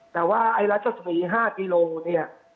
แต่ว่าไอลัทธสนี๕กิโลเนี่ย